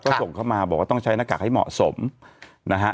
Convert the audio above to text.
ก็ส่งเข้ามาบอกว่าต้องใช้หน้ากากให้เหมาะสมนะฮะ